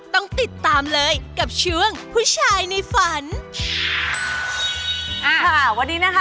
ต้องติดตามเลยกับช่วงผู้ชายในฝันอ่าค่ะวันนี้นะคะ